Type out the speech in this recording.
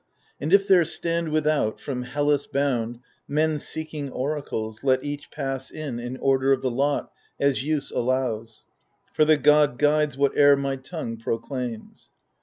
And if there stand without, from Hellas bound. Men seeking oracles, let each pass in In order of the lot, as use allows ; For the god guides whatever my tongue proclaims.